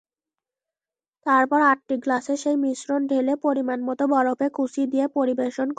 তারপর আটটি গ্লাসে সেই মিশ্রণ ঢেলে পরিমাণমতো বরফের কুচি দিয়ে পরিবেশন করুন।